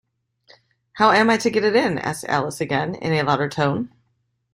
‘How am I to get in?’ asked Alice again, in a louder tone.